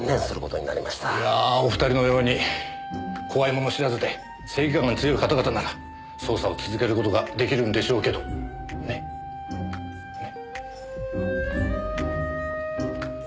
いやぁお二人のように怖いもの知らずで正義感が強い方々なら捜査を続ける事ができるんでしょうけどね。ね？